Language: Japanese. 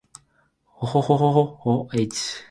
ほほほほほっ h